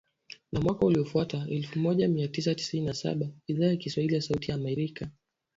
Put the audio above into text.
Na mwaka uliofuata elfu moja mia tisa tisini na saba Idhaa ya Kiswahili ya Sauti ya Amerika